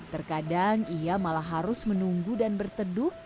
terkadang ia malah harus menunggu dan berteduh